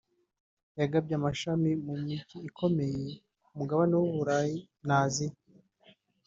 yagabye amashami mu mijyi ikomeye yo ku mugabane w’u Burayi na Aziya